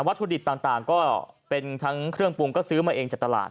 ถุดิบต่างก็เป็นทั้งเครื่องปรุงก็ซื้อมาเองจากตลาด